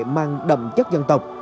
mang đậm chất dân tộc